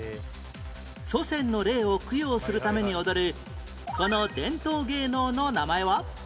祖先の霊を供養するために踊るこの伝統芸能の名前は？